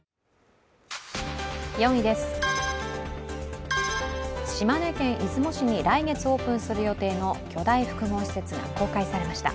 ４位です、島根県出雲市に来月オープンする予定の巨大複合施設が公開されました。